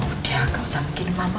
udah gak usah mikirin apa